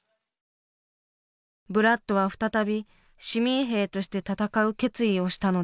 ブラッドは再び市民兵として戦う決意をしたのです。